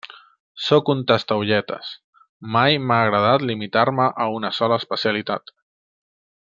Sóc un tastaolletes: mai m'ha agradat limitar-me a una sola especialitat.